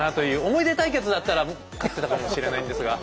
思い出対決だったら勝ってたかもしれないんですが。